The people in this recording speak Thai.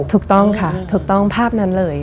ถูกต้องค่ะถูกต้องภาพนั้นเลย